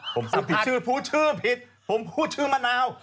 อ๋อผมพูดชื่อผิดผมพูดชื่อมะนาว